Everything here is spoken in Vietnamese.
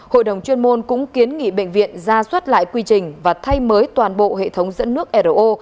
hội đồng chuyên môn cũng kiến nghị bệnh viện ra soát lại quy trình và thay mới toàn bộ hệ thống dẫn nước ro